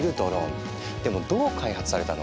でもどう開発されたの？